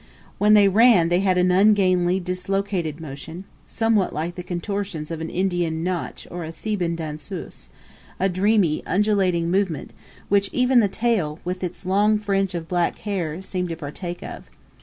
When they ran they had an ungainly, dislocated motion, somewhat like the contortions of an Indian nautch or a Theban danseuse a dreamy, undulating movement, which even the tail, with its long fringe of black hair, seemed to partake of.